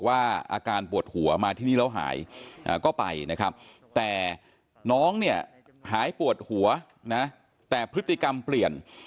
อาการปวดหัวมาที่นี่แล้วหายก็ไปนะครับแต่น้องเนี่ยหายปวดหัวนะแต่พฤติกรรมเปลี่ยน